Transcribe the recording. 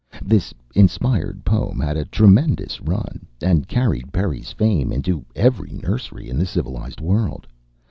This inspired poem had a tremendous run, and carried Perry's fame into every nursery in the civilized world.